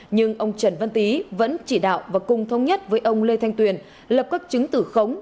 nhưng ông trần văn tý vẫn chỉ đạo và cùng thông nhất với ông lê thanh tuyền lập các chứng tử khống